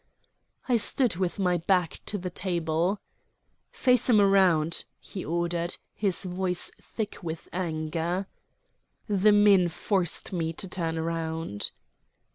I stood with my back to the table. "Face him round," he ordered, his voice thick with anger. The men forced me to turn round.